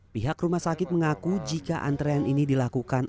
pihak rumah sakit mengaku jika antrean ini dilakukan